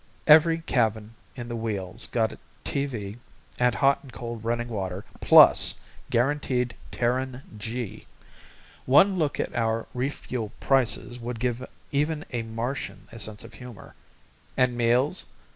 Every cabin in the wheel's got TV and hot and cold running water plus guaranteed Terran g. One look at our refuel prices would give even a Martian a sense of humor. And meals?